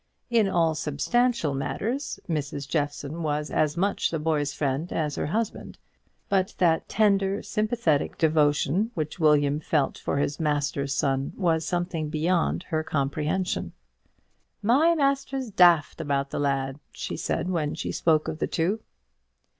In all substantial matters Mrs. Jeffson was as much the boy's friend as her husband; but that tender, sympathetic devotion which William felt for his master's son was something beyond her comprehension. "My master's daft about the lad," she said, when she spoke of the two.